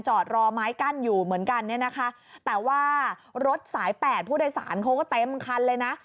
จอดรอไม้กั้นอยู่เหมือนกันเนี่ยนะคะแต่ว่ารถสายแปดผู้โดยสารเขาก็เต็มคันเลยนะ